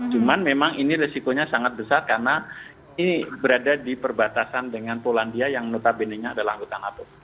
cuman memang ini resikonya sangat besar karena ini berada di perbatasan dengan polandia yang notabenenya adalah anggota nato